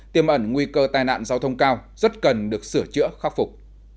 tiêm ẩn nguy cơ tai nạn giao thông cao rất cần được sửa chữa khắc phục